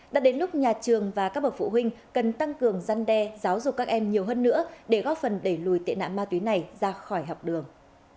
đã đến lúc nhà trường và các bậc phụ huynh cần tăng cường gian đe giáo dục các em nhiều hơn nữa để góp phần đẩy lùi tệ nạn ma túy này ra khỏi học đường